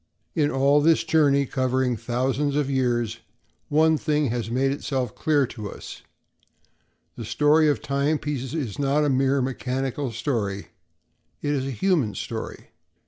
In all this journey, covering thousands of years, one thing has made itself clear to us—the story of timepieces is not a mere mechanical story; it is a human story.